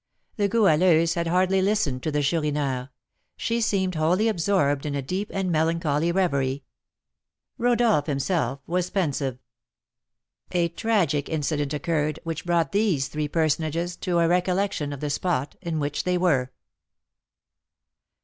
The Goualeuse had hardly listened to the Chourineur; she seemed wholly absorbed in a deep and melancholy reverie. Rodolph himself was pensive. A tragic incident occurred, which brought these three personages to a recollection of the spot in which they were.